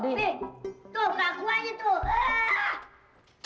tuh mie tuh kakakku aja tuh